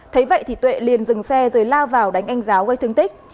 thấy vậy thì tuệ liền dừng xe rồi lao vào đánh anh giáo gây thương tích